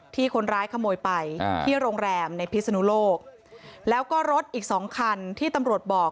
ที่คนร้ายขโมยไปที่โรงแรมในพิศนุโลกแล้วก็รถอีกสองคันที่ตำรวจบอก